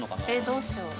どうしよう。